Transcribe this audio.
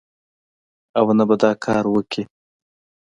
او نه به دا کار وکړي